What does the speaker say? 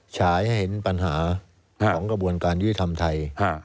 ฉายให้เห็นปัญหาของกระบวนการยุติธรรมไทย